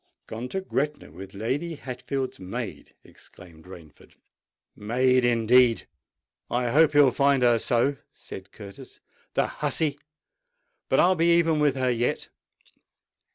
"Gone to Gretna with Lady Hatfield's maid!" exclaimed Rainford. "Maid, indeed! I hope he'll find her so!" said Curtis. "The hussey! But I'll be even with her yet!"